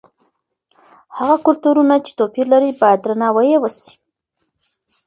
هغه کلتورونه چې توپیر لري باید درناوی یې وسي.